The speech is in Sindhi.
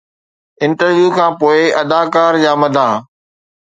انٽرويو کانپوءِ اداڪار جا مداح